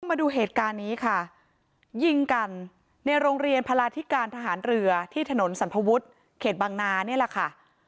มาดูเหตุการณ์นี้ค่ะยิงกันในโรงเรียนพลาธิการทหารเรือที่ถนนสัมภวุฒิเขตบางนานี่แหละค่ะ